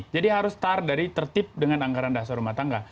jadi harus start dari tertib dengan anggaran dasar rumah tangga